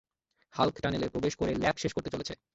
Hulk টানেলে প্রবেশ করে ল্যাপ শেষ করতে চলেছে।